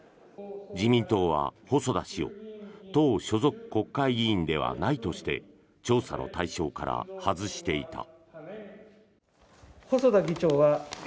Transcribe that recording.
自民党は細田氏を党所属国会議員ではないとして調査の対象から外していた。